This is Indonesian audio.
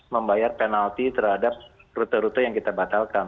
membayar penalti terhadap rute rute yang kita batalkan